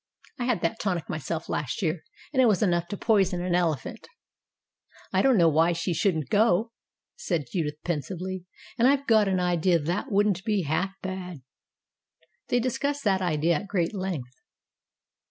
I had that tonic myself last year, and it was enough to poison an elephant." "I don't know why she shouldn't go," said Judith pensively. "And I've got an idea that wouldn't be half bad." 246 STORIES WITHOUT TEARS They discussed that idea at great length.